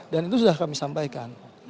dan itu sudah kami sampaikan